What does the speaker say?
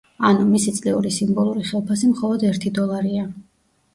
ანუ, მისი წლიური სიმბოლური ხელფასი მხოლოდ ერთი დოლარია.